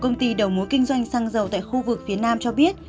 công ty đầu mối kinh doanh xăng dầu tại khu vực phía nam cho biết